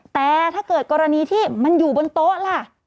แต่ถ้าเกิดกรณีที่มันอยู่บนโต๊ะล่ะ